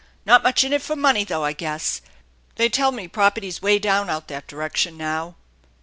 Not much in it for money, though, I guess. They tell me property's way down out that direction now.''